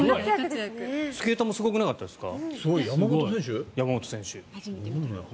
スケートもすごくなかったですか？